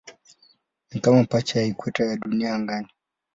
Ni kama pacha ya ikweta ya Dunia angani.